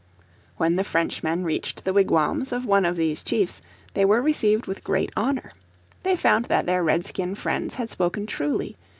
When the Frenchmen reached the wigwams of one of these chiefs they were received with great honour. They found that their Redskin friends had spoken truly.